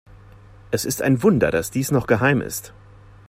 Es ist ein Wunder, dass dies noch geheim ist.